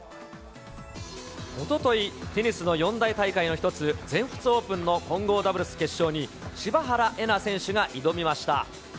おととい、テニスの四大大会の一つ、全仏オープンの混合ダブルス決勝に、柴原瑛菜選手が挑みました。